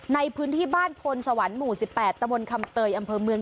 ในพื้นที่บ้านพลสวรรค์หมู่๑๘ตะมนต์คำเตยอำเภอเมือง